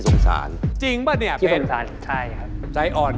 ถ้าขึ้น